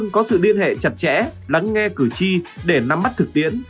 có sự liên hệ chặt chẽ lắng nghe cử tri để nắm mắt thực tiễn